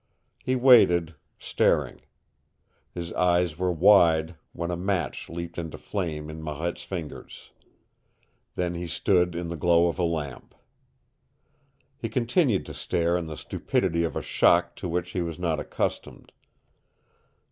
He waited, staring. His eyes were wide when a match leaped into flame in Marette's fingers. Then he stood in the glow of a lamp. He continued to stare in the stupidity of a shock to which he was not accustomed.